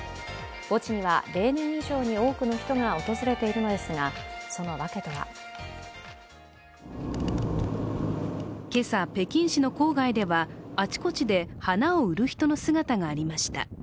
墓地には例年以上に多くの人が訪れているのですが、そのワケとは今朝、北京市の郊外ではあちこちで花を売る人の姿がありました。